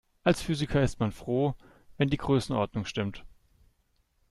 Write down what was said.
Als Physiker ist man froh, wenn die Größenordnung stimmt.